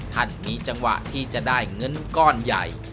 ท่านมีจังหวะที่จะได้เงินก้อนใหญ่